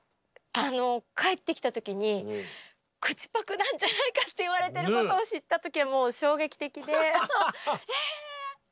帰ってきた時に口パクなんじゃないかって言われてることを知った時はもう衝撃的でえって。